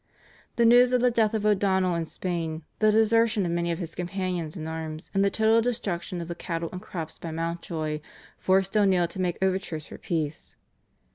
The news of the death of O'Donnell in Spain, the desertion of many of his companions in arms, and the total destruction of the cattle and crops by Mountjoy forced O'Neill to make overtures for peace.